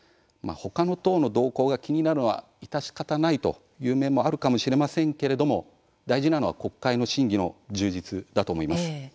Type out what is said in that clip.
他の党の動向が気になるのは致し方ないという面もあるかもしれませんけれども大事なのは国会の審議の充実だと思います。